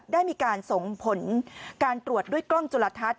ได้มีการส่งผลการตรวจด้วยกล้องจุลทัศน